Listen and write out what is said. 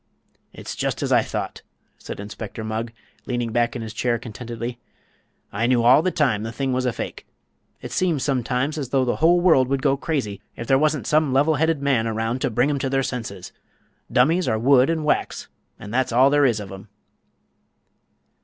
"It's just as I thought," said Inspector Mugg, leaning back in his chair contentedly. "I knew all the time the thing was a fake. It seems sometimes as though the whole world would go crazy if there wasn't some level headed man around to bring 'em to their senses. Dummies are wood an' wax, an' that's all there is of 'em."